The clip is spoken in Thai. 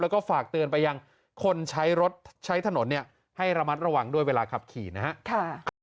แล้วก็ฝากเตือนไปยังคนใช้รถใช้ถนนให้ระมัดระวังด้วยเวลาขับขี่นะครับ